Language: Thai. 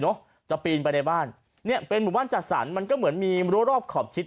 จะปีนไปในบ้านเนี่ยเป็นหมู่บ้านจัดสรรมันก็เหมือนมีรั้วรอบขอบชิด